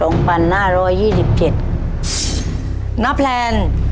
น้าแพลน